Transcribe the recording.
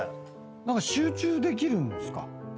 何か集中できるんですか？